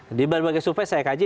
jadi berbagai survei saya kaji